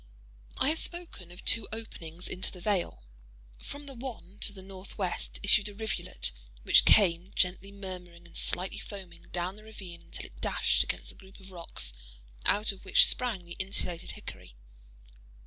I have spoken of two openings into the vale. From the one to the northwest issued a rivulet, which came, gently murmuring and slightly foaming, down the ravine, until it dashed against the group of rocks out of which sprang the insulated hickory.